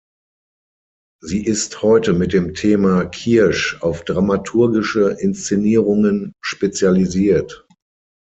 Sie ist heute mit dem Thema Kirsch auf dramaturgische Inszenierungen spezialisiert.